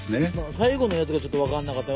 最後のやつがちょっとわかんなかった。